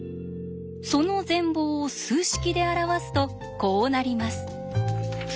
その全貌を数式で表すとこうなります。